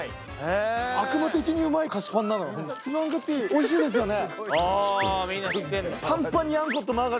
おいしいですよね？